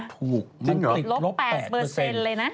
ถูกติดลบ๘ถูกเหรอ